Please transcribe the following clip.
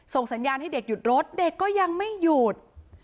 สัญญาณให้เด็กหยุดรถเด็กก็ยังไม่หยุด